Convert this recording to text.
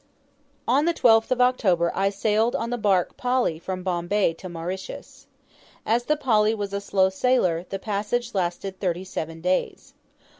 On the 12th of October I sailed on the barque 'Polly' from Bombay to Mauritius. As the 'Polly' was a slow sailer, the passage lasted thirty seven days.